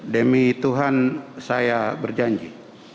demi tuhan saya berjanji